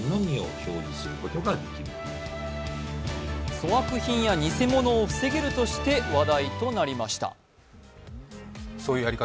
粗悪品や偽物を防げるとして話題となりました。